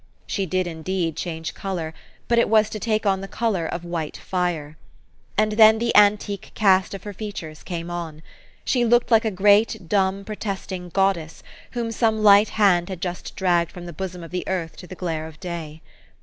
She did, indeed, change color, but it was to take on the color of white fire. And then the antique cast of her features came on. She looked like a great, dumb, protesting goddess, whom some light hand had just dragged from the bosom of the earth to the glare of day.